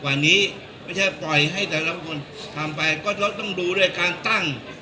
กว่านี้ไม่ใช่ปล่อยให้แต่ละคนทำไปก็ต้องดูด้วยการตั้ง